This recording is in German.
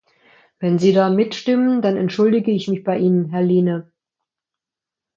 Wenn Sie da mitstimmen, dann entschuldige ich mich bei Ihnen, Herr Lehne.